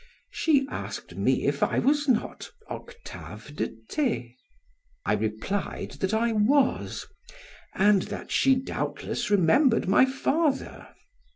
She asked me if I was not Octave de T . I replied that I was, and that she doubtless remembered my father.